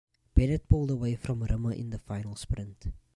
Bennett pulled away from Rimmer in the final sprint.